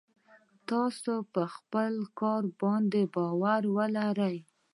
تاسې که په خپل کار باندې باور لرئ.